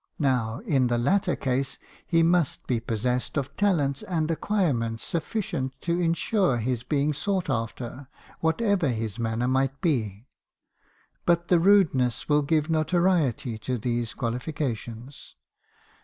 Now, in the latter case, he must be possessed of talents and acquirements sufficient to insure his being sought after, whatever his manner might be. But the rudeness will give notoriety to these qualifications.